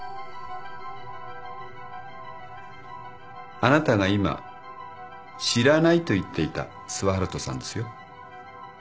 あなたが今知らないと言っていた諏訪遙人さんですよ。